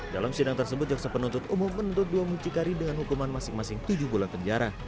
dalam sidang tersebut jaksa penuntut umum menuntut dua mucikari dengan hukuman masing masing tujuh bulan penjara